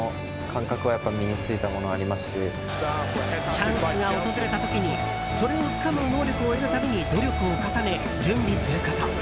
チャンスが訪れた時にそれをつかむ能力を得るために努力を重ね、準備すること。